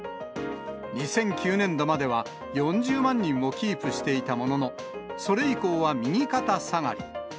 ２００９年度までは４０万人をキープしていたものの、それ以降は右肩下がり。